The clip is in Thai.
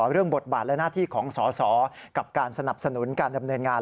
เรื่องบทบาทและหน้าที่ของสอสอกับการสนับสนุนการดำเนินงาน